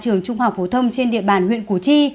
trường trung học phổ thông trên địa bàn huyện củ chi